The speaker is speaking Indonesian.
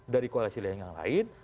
dari koalisi lain yang lain